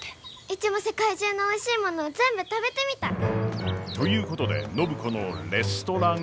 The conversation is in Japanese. うちも世界中のおいしいもの全部食べてみたい！ということで暢子のレストラン初体験！